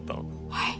はい。